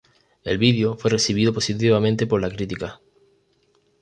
El vídeo fue recibido positivamente por la crítica.